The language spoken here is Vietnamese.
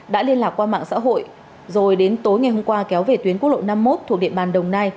đã liên lạc qua mạng xã hội rồi đến tối ngày hôm qua kéo về tuyến quốc lộ năm mươi một thuộc địa bàn đồng nai